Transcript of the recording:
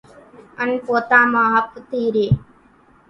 انين پوتا مان ۿپ ٿي رئي،